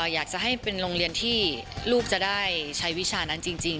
อยากจะให้เป็นโรงเรียนที่ลูกจะได้ใช้วิชานั้นจริง